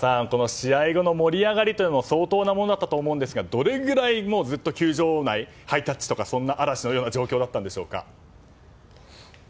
試合後の盛り上がりも相当なものだったと思いますがどれぐらい、ずっと球場内ハイタッチとかそんな嵐のような状況だったんでしょうか。